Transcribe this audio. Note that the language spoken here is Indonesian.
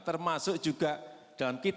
termasuk juga dalam kita